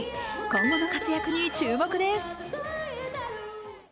今後の活躍に注目です。